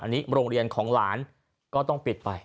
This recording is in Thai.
อันนี้โรงเรียนของหลานก็ต้องปิดไป